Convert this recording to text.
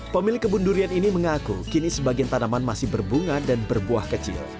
pemilik kebun durian ini mengaku kini sebagian tanaman masih berbunga dan berbuah kecil